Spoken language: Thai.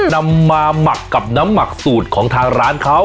นำมาหมักกับน้ำหมักสูตรของทางร้านเขา